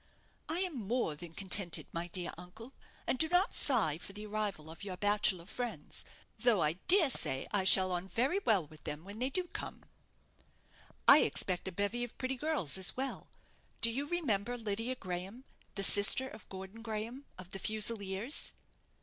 "I am more than contented, my dear uncle, and do not sigh for the arrival of your bachelor friends; though I dare say I shall on very well with them when they do come." "I expect a bevy of pretty girls as well. Do you remember Lydia Graham, the sister of Gordon Graham, of the Fusiliers?"